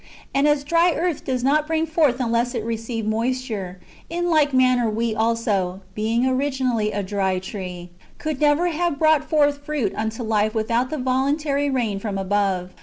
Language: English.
And as dry earth does not bring forth unless it receive moisture, in like manner we also, being originally a dry tree, could never have brought forth fruit unto life without the voluntary rain from above.